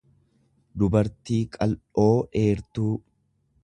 dubartii qal'ooo dheertuu.